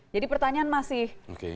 jadi pertanyaan masih